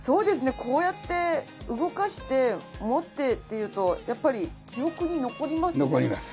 こうやって動かして持ってっていうとやっぱり記憶に残りますね。